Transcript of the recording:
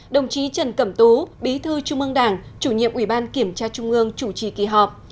đồng chí trần cẩm tú bí thư trung ương đảng chủ nhiệm ủy ban kiểm tra trung ương chủ trì kỳ họp